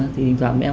thì thỉnh thoảng mẹ em